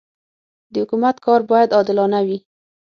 د حکومت کار باید عادلانه وي.